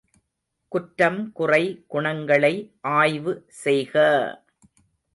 குற்றம் குறை குணங்களை ஆய்வு செய்க!